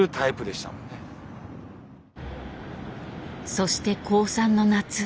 そして高３の夏